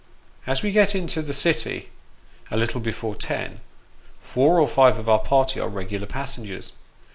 As we get into the City a little before ten, four or five of our party are regular passengers.